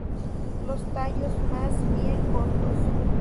Los tallos más bien cortos.